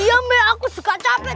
iya aku juga capek